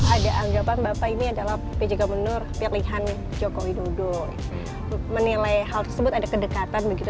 ada anggapan bapak ini adalah pjk menur pilihan joko widodo menilai hal tersebut ada kedekatan begitu